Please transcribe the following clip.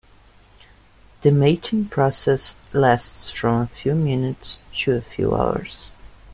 The mating process lasts from a few minutes to a few hours.